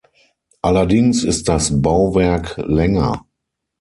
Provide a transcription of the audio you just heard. Allerdings ist das Bauwerk länger.